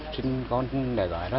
sinh con nẻ gái ra